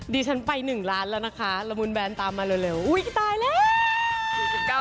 ดิฉันไป๑ล้านแล้วนะคะละมุนแบนตามมาเร็วอุ้ยตายแล้ว